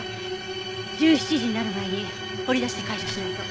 １７時になる前に掘り出して回収しないと。